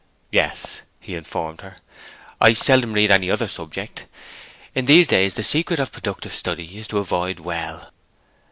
'Yes,' he informed her. 'I seldom read any other subject. In these days the secret of productive study is to avoid well.'